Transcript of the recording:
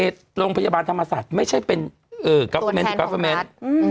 โรงพยาบาลธรรมศาสตร์ไม่ใช่เป็นก๊อฟเฟอร์เมนต์